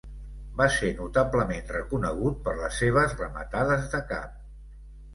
Va ser notablement reconegut per les seves rematades de cap.